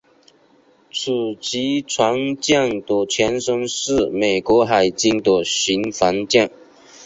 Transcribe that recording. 此级船舰的前身是美国海军的巡防舰。